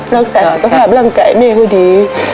แล้วรักษาสุขภาพร่ำไก่แม่ก็ดี